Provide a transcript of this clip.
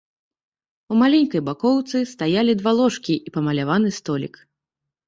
У маленькай бакоўцы стаялі два ложкі і памаляваны столік.